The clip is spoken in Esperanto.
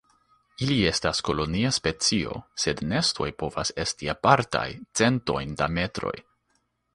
Ili estas kolonia specio, sed nestoj povas esti apartaj centojn da metroj.